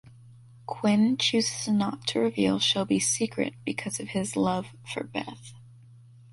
Quinn chooses not to reveal Shelby’s secret because of his love for Beth.